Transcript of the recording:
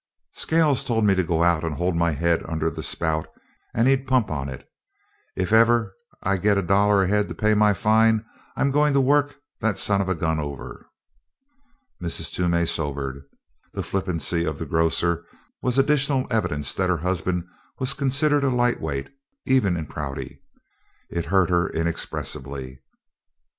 "Scales told me to go out and hold my head under the spout and he'd pump on it. If ever I get a dollar ahead to pay my fine, I'm going to work that son of a gun over." Mrs. Toomey sobered. The flippancy of the grocer was additional evidence that her husband was considered a light weight, even in Prouty. It hurt her inexpressibly.